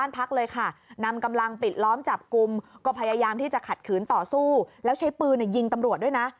พยายามที่จะขัดขืนต่อสู้แล้วใช้ปืนยิงตำรวจด้วยนะ